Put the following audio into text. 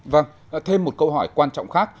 vâng thêm một câu hỏi quan trọng khác